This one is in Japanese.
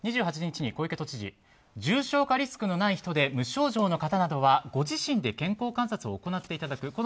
２８日に小池都知事重症化リスクのない人で無症状の方などはご自身で健康観察を行っていただく。